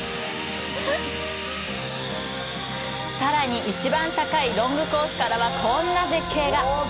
さらに、いちばん高いロングコースからはこんな絶景が！